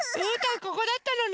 ここだったのね。